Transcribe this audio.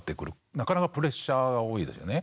なかなかプレッシャーが多いですよね。